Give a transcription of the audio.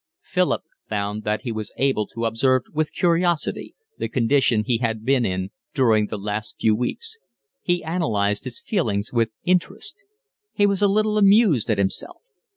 Philip found that he was able to observe with curiosity the condition he had been in during the last few weeks. He analysed his feelings with interest. He was a little amused at himself.